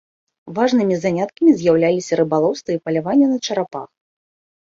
Важнымі заняткамі з'яўляліся рыбалоўства і паляванне на чарапах.